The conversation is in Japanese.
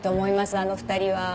あの２人は。